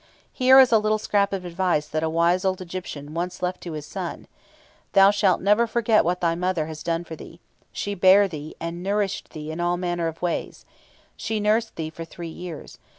Here is a little scrap of advice that a wise old Egyptian once left to his son: "Thou shalt never forget what thy mother has done for thee. She bare thee, and nourished thee in all manner of ways. She nursed thee for three years.